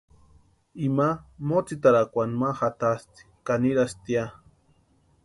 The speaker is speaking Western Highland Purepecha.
Ima mótsitarakwani ma jatasti ka nirastia.